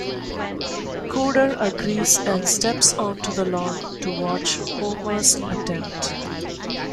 Cooder agrees and steps onto the lawn to watch Homer's attempt.